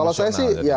kalau saya sih ya